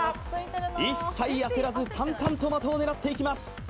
一切焦らず淡々と的を狙っていきます